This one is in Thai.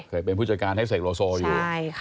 เคยเป็นผู้จัดการให้เสกโลโซอยู่